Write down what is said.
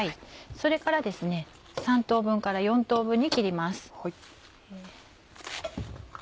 それから３等分から４等分に切ります。